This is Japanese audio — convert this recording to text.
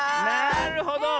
なるほど。